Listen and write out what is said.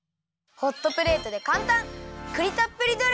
ホットプレートでかんたん！